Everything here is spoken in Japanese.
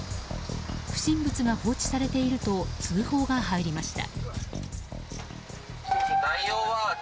不審物が放置されていると通報が入りました。